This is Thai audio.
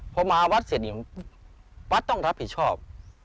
พอมาวัดเสร็จเนี่ยวัดต้องรับผิดชอบ